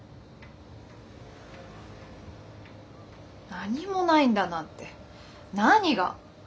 何もないんだなって何が？